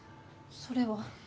それは。